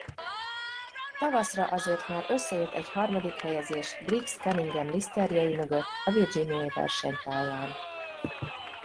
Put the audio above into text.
Tavaszra azért már összejött egy harmadik helyezés Briggs Cunningham Listerjei mögött a virginiai versenypályán.